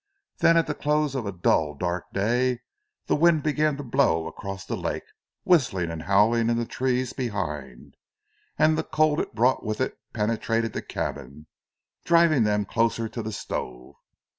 Then at the close of a dull, dark day the wind began to blow across the lake, whistling and howling in the trees behind, and the cold it brought with it penetrated the cabin, driving them closer to the stove.